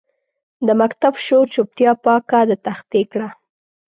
د مکتب شور چوپتیا پاکه د تختې کړه